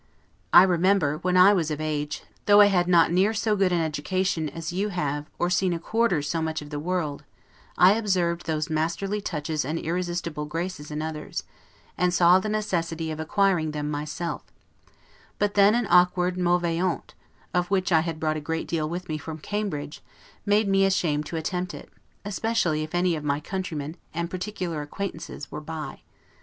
I remember, when I was of age, though I had not near so good an education as you have, or seen a quarter so much of the world, I observed those masterly touches and irresistible graces in others, and saw the necessity of acquiring them myself; but then an awkward 'mauvaise honte', of which I had brought a great deal with me from Cambridge, made me ashamed to attempt it, especially if any of my countrymen and particular acquaintances were by.